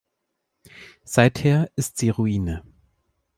Seither ist sie Ruine.